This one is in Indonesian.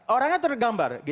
orangnya sudah tergambar